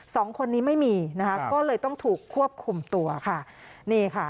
สองคนนี้ไม่มีนะคะก็เลยต้องถูกควบคุมตัวค่ะนี่ค่ะ